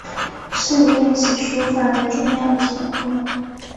是练习书法的重要基本功。